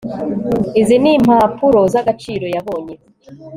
izi ni impapuro z'agaciro yabonye